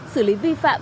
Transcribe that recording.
xử lý vi phạm